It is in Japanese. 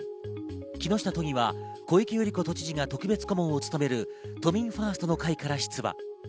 木下都議は小池百合子都知事が特別顧問を務める都民ファーストの会から出馬。